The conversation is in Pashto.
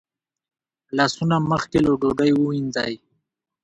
لاسونه مخکې له ډوډۍ ووینځئ